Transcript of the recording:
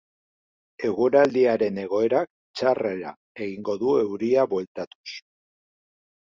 Eguraldiaren egoerak, txarrera egingo du euria bueltatuz.